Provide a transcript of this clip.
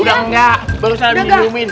udah enggak baru saya dirumin